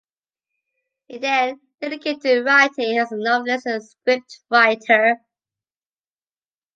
He then dedicated to writing as novelist and scriptwriter.